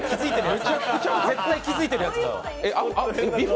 絶対気付いてるやつ。